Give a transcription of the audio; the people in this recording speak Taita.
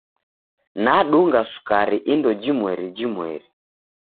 Nadunga sukari indo jimweri jimweri.